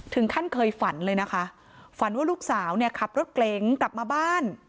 ถึงขั้นเคยฝันเลยนะคะฝันว่าลูกสาวขับรถเกรงกลับมาบ้าน